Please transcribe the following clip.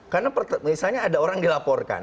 karena misalnya ada orang dilaporkan